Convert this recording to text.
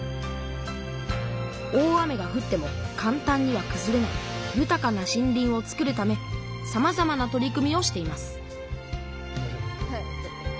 大雨がふってもかん単にはくずれないゆたかな森林をつくるためさまざまな取り組みをしています